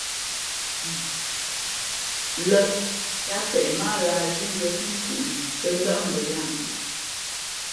Lᾱ yáá peʼ mά á lǎh zhímbʉ̄ᾱ pí nkuʼni tα ndάʼ mbαyaā nu lᾱ.